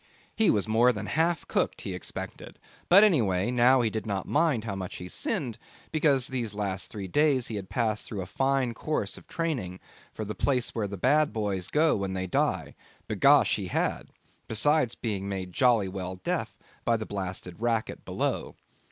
He was more than half cooked, he expected; but anyway, now, he did not mind how much he sinned, because these last three days he had passed through a fine course of training for the place where the bad boys go when they die b'gosh, he had besides being made jolly well deaf by the blasted racket below.